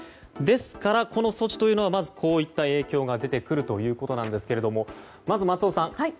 ですから、この措置はまずこういった影響が出てくるということですがまず、松尾さん